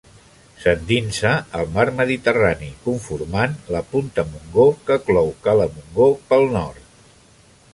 S'endinsa al mar Mediterrani conformant la punta Montgó que clou cala Montgó pel nord.